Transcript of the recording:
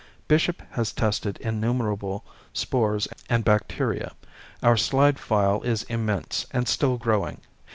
Bishop has tested innumerable spores and bacteria. Our slide file is immense and still growing.